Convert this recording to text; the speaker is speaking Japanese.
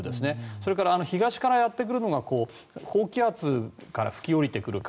それから東からやってくるのが高気圧から吹き下りてくる風。